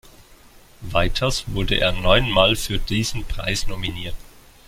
Weiters wurde er neunmal für diesen Preis nominiert.